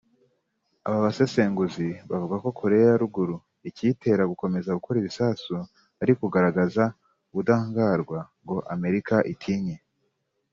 Aba basesenguzi bavuga ko Koreya ya Ruguru ikiyitera gukomeza gukora ibisasu ari ukugaragaza ubudahangarwa ngo Amerika itinye